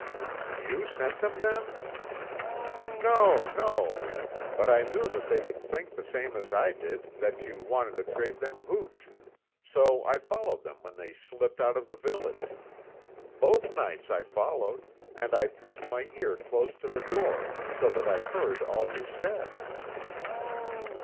"You sent them then?" "No, no! But, I knew that they would think the same as I did, that you wanted to trade them hooch, so I followed them when they slipped out of the village. Both nights I followed, and I pressed my ear close to the door, so that I heard all you said."